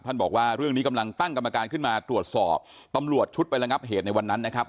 บอกว่าเรื่องนี้กำลังตั้งกรรมการขึ้นมาตรวจสอบตำรวจชุดไประงับเหตุในวันนั้นนะครับ